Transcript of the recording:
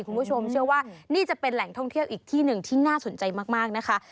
คุณผู้ชมเชื่อว่านี่จะเป็นแหล่งท่องเที่ยวอีกที่หนึ่งที่น่าสนใจมากนะคะ